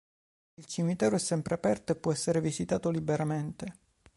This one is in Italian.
Il cimitero è sempre aperto e può essere visitato liberamente.